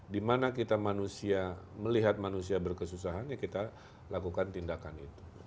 dimana kita manusia melihat manusia berkesusahan ya kita lakukan tindakan itu